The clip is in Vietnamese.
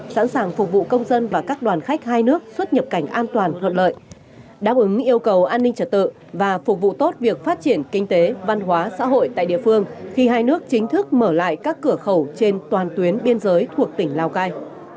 sẵn sàng thực hiện các thủ tục cấp hộ chiếu nhanh chóng và tiện lợi